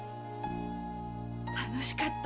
楽しかったもの！